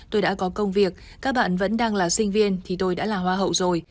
tôi đã có công việc các bạn vẫn đang là sinh viên thì tôi đã là hoa hậu rồi